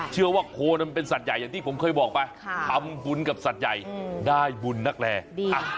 โคนมันเป็นสัตว์ใหญ่อย่างที่ผมเคยบอกไปทำบุญกับสัตว์ใหญ่ได้บุญนักแลดี